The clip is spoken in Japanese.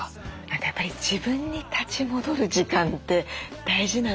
何かやっぱり自分に立ち戻る時間って大事なんですね。